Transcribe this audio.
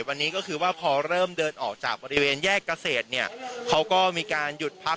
วันนี้ก็คือว่าพอเริ่มเดินออกจากบริเวณแยกเกษตรเนี่ยเขาก็มีการหยุดพัก